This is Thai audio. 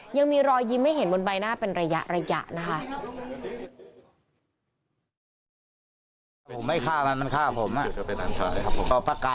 ยังมีรอยยิ้มให้เห็นบนใบหน้าเป็นระยะนะคะ